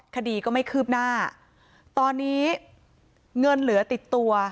คดีก็ไม่คืบหน้าตอนนี้เงินเหลือติดตัว